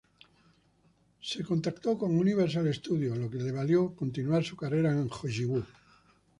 Se contactó con Universal Studios, lo que le valió continuar su carrera en Hollywood.